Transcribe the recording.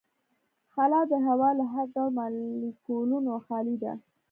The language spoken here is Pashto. خلا د هوا له هر ډول مالیکولونو خالي ده.